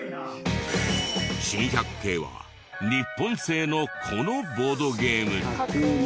珍百景は日本製のこのボードゲーム。